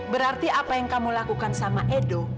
berarti apa yang kamu lakukan sama edo